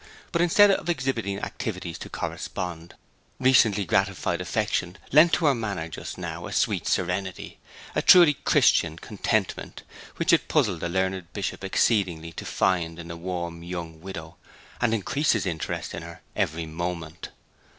But instead of exhibiting activities to correspond, recently gratified affection lent to her manner just now a sweet serenity, a truly Christian contentment, which it puzzled the learned Bishop exceedingly to find in a warm young widow, and increased his interest in her every moment.